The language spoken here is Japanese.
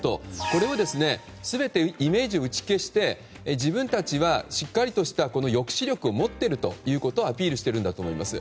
これを全てイメージを打ち消して自分たちはしっかりとした抑止力を持っているということをアピールしているんだと思います。